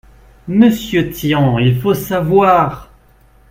Monsieur Tian, il faut savoir